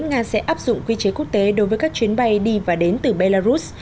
nga sẽ áp dụng quy chế quốc tế đối với các chuyến bay đi và đến từ belarus